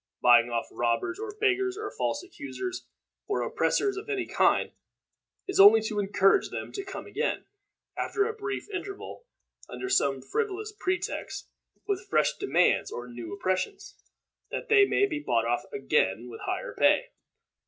Buying off robbers, or beggars, or false accusers, or oppressors of any kind, is only to encourage them to come again, after a brief interval, under some frivolous pretext, with fresh demands or new oppressions, that they may be bought off again with higher pay.